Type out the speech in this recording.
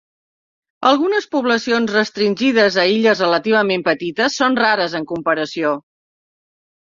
Algunes poblacions restringides a illes relativament petites són rares en comparació.